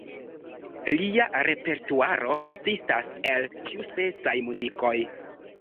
Lia repertuaro konsistas el ĉiuspecaj muzikoj.